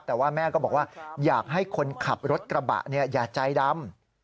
แต่ว่าแม่ก็บอกว่าอยากให้คนขับรถกระบะอย่าใจดำ